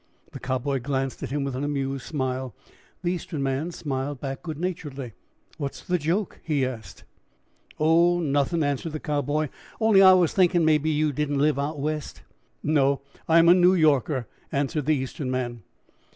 The Cowboy glanced at him with an amused smile. The Eastern man smiled back good naturedly. "What's the joke?" he asked. [Illustration: RESTING HIS HEAD ON THE COWBOY'S KNEE.] "Oh, nothin'," answered the Cowboy, "only I was thinkin' maybe you didn't live out West." "No, I am a New Yorker," answered the Eastern man.